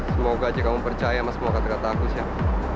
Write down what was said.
semoga aja kamu percaya sama semua kata kata aku siap